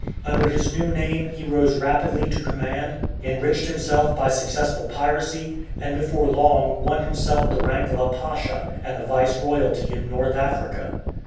Under his new name he rose rapidly to command, enriched himself by successful piracy, and before long won himself the rank of a Pasha and a vice royalty in North Africa.